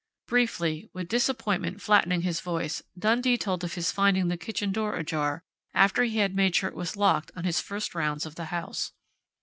Briefly, with disappointment flattening his voice, Dundee told of his finding the kitchen door ajar, after he had made sure it was locked on his first rounds of the house.